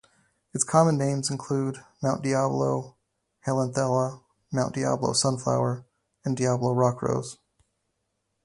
Its common names include Mount Diablo helianthella, Mount Diablo sunflower, and Diablo rockrose.